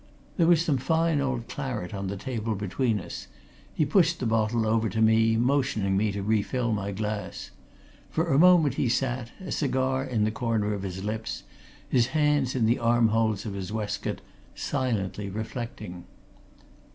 There was some fine old claret on the table between us; he pushed the bottle over to me, motioning me to refill my glass. For a moment he sat, a cigar in the corner of his lips, his hands in the armholes of his waistcoat, silently reflecting.